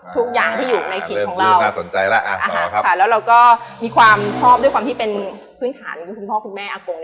ทุกอย่างที่อยู่ในจิตของเราน่าสนใจแล้วเราก็มีความชอบด้วยความที่เป็นพื้นฐานคุณพ่อคุณแม่อากง